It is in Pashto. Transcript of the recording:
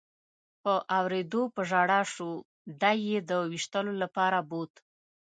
په اورېدو په ژړا شو، دی یې د وېشتلو لپاره بوت.